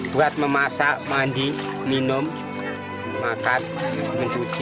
buat memasak mandi minum makan mencuci